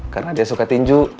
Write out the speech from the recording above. karena dia suka tinju